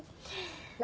何？